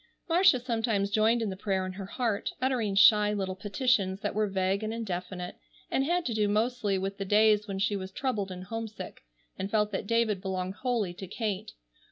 Marcia sometimes joined in the prayer in her heart, uttering shy little petitions that were vague and indefinite, and had to do mostly with the days when she was troubled and homesick, and felt that David belonged wholly to Kate.